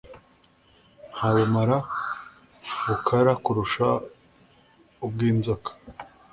nta bumara bukara kurusha ubw'inzoka